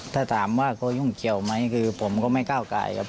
ถ้าถามว่าเขายุ่งเกี่ยวไหมคือผมก็ไม่ก้าวกายครับ